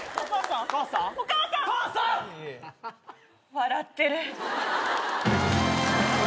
笑ってる。